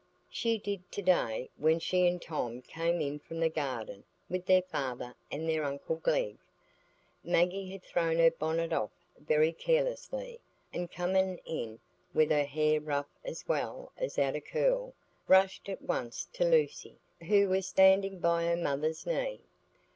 She did to day, when she and Tom came in from the garden with their father and their uncle Glegg. Maggie had thrown her bonnet off very carelessly, and coming in with her hair rough as well as out of curl, rushed at once to Lucy, who was standing by her mother's knee.